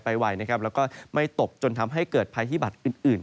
และไม่ตกจนให้เกิดภายศีลบัตรอื่น